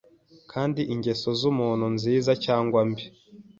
kandi ingeso z’umuntu, nziza cyangwa mbi,